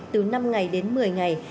từ năm ngày đến một mươi ngày